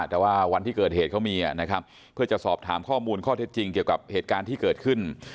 แต่ว่าวันที่เกิดเหตุเขามีนะครับเพื่อจะสอบถามข้อมูลข้อเท็จจริงเกี่ยวกับเหตุการณ์ที่เกิดขึ้น